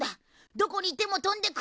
どこにいてもとんで来る！